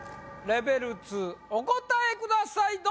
レベル２お答えください